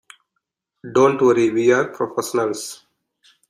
Don't worry, we're professionals.